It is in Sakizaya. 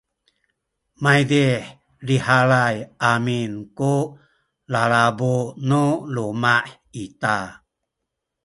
maydih lihalay amin ku lalabu nu luma’ ita